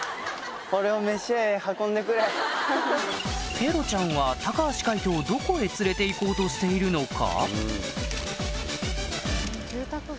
ペロちゃんは橋海人をどこへ連れて行こうとしているのか？